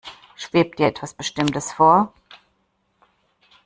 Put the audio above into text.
Schwebt dir etwas Bestimmtes vor?